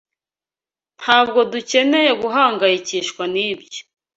Ntabwo dukeneye guhangayikishwa nibyo.